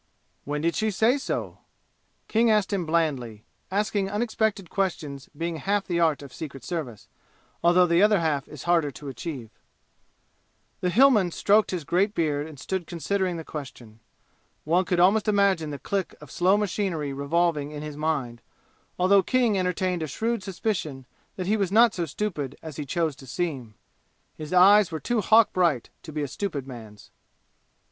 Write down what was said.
"When did she say so?" King asked him blandly, asking unexpected questions being half the art of Secret Service, although the other half is harder to achieve. The Hillman stroked his great beard and stood considering the question. One could almost imagine the click of slow machinery revolving in his mind, although King entertained a shrewd suspicion that he was not so stupid as he chose to seem. His eyes were too hawk bright to be a stupid man's.